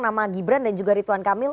nama gibran dan juga rituan kamil